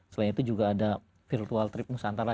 selain itu juga ada virtual trip nusantara